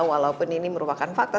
walaupun ini merupakan fakta